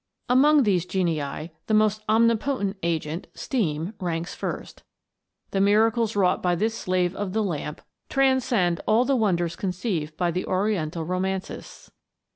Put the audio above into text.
Among these genii the almost omnipotent agent Steam ranks first. The miracles wrought by this slave of the lamp transcend all the wonders con ceived by the Oriental romancists.